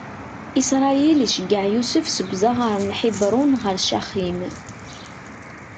Isṛayil iceggeɛ Yusef seg uzaɣar n Ḥibṛun ɣer Caxim.